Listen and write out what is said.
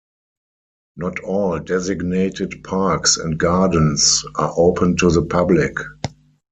Not all designated parks and gardens are open to the public.